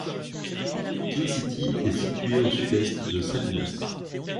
King City est située au sud-est de Salinas.